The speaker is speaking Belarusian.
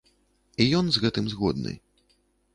І ён з гэтым згодны.